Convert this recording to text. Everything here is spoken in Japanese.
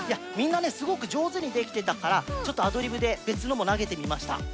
みんなねすごくじょうずにできてたからちょっとアドリブでべつのもなげてみました。